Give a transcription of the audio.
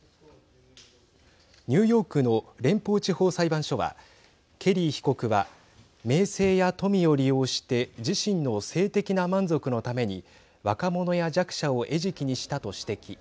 ニューヨークの連邦地方裁判所はケリー被告は名声や富を利用して自身の性的な満足のために若者や弱者を餌食にしたと指摘。